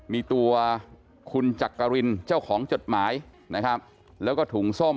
มีตัวคุณจักรินเจ้าของจดหมายนะครับแล้วก็ถุงส้ม